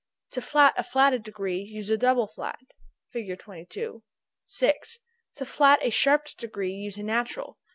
To flat a flatted degree, use a double flat. Fig. 22. 6. To flat a sharped degree, use a natural.